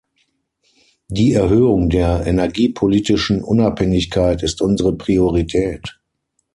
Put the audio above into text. Die Erhöhung der energiepolitischen Unabhängigkeit ist unsere Priorität.